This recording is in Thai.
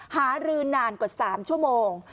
หารือนานกว่า๓ชั่วโมง